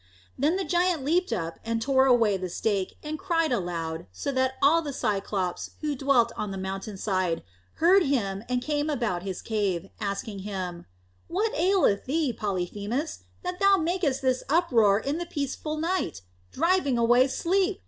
Then the giant leapt up, and tore away the stake, and cried aloud, so that all the Cyclopes who dwelt on the mountain side heard him and came about his cave, asking him, "What aileth thee, Polyphemus, that thou makest this uproar in the peaceful night, driving away sleep?